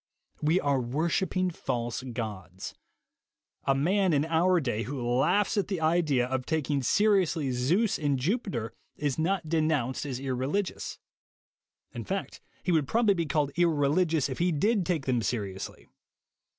We are wor shipping false gods. A man in our day who laughs at the idea of taking seriously Zeus and Jupiter is not denounced as irreligious; in fact, he would probably be called irreligious if he did take them seriously.